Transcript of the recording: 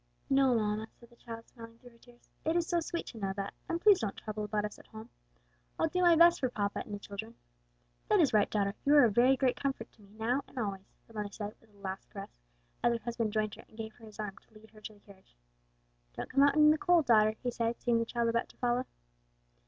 "No, mamma," said the child, smiling through her tears; "it is so sweet to know that; and please don't trouble about us at home. I'll do my best for papa and the children." "That is right, daughter, you are a very great comfort to me now and always," the mother said, with a last caress, as her husband joined her and gave her his arm to lead her to the carriage. "Don't come out in the cold, daughter," he said, seeing the child about to follow.